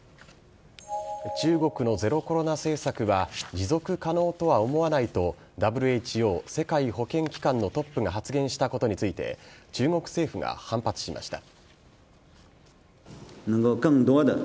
中国のゼロコロナ政策は持続可能とは思わないとＷＨＯ＝世界保健機関のトップが発言したことについて中国政府が反発しました。